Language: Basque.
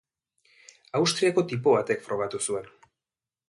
Austriako tipo batek frogatu zuen.